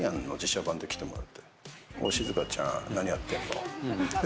しずかちゃん、何やってんのって。